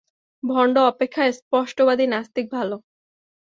ভণ্ড অপেক্ষা স্পষ্টবাদী নাস্তিক ভাল।